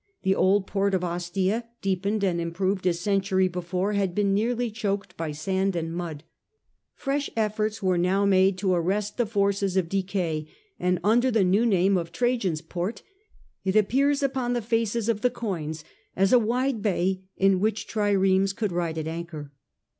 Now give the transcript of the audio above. The old port of Ostia , deepened and improved a century before, had been nearly choked by sand and mud. Fresh efforts were now made . to arrest the forces of decay, and under the and ports, e rr* •» new name of Trajan s Port it appears upon the faces of the coins as a wide bay in which triremes could ride at anchor.